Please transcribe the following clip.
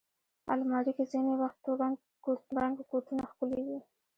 الماري کې ځینې وخت تور رنګه کوټونه ښکلي وي